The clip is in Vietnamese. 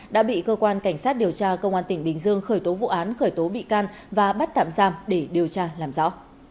đã bị cơ quan cảnh sát điều tra công an tỉnh bình dương khởi tố vụ án khởi tố bị can và bắt tạm giam để điều tra làm rõ